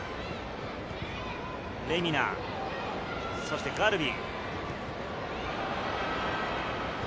レミナ、そしてガルビ。